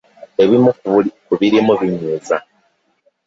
Ebimu ku birimu binyiiza.